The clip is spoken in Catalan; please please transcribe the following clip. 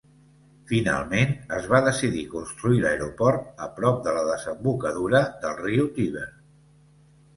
Finalment, es va decidir construir l'aeroport a prop de la desembocadura del riu Tíber.